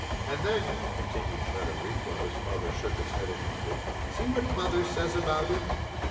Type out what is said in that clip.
And then," continued Frederic, while his father shook his head in wonder, "see what Mother says about him.